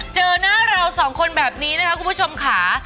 เจอหน้าเราสองคนแบบนี้นะคะคุณผู้ชมค่ะ